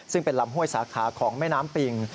ซึ่งเป็นลำห้วยสาขาของแม่น้ำปิง